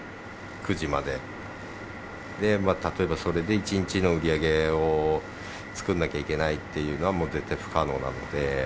９時までで、例えばそれで１日の売り上げを作んなきゃいけないというのは、もう絶対に不可能なので。